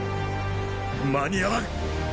間に合わん！